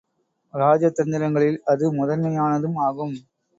இராஜ தந்திரங்களில் அது முதன்மையானதும் ஆகும்.